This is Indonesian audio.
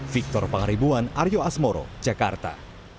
jangan lupa untuk berlangganan